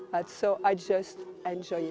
jadi saya sangat menikmatinya